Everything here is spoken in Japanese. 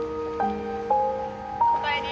おかえり。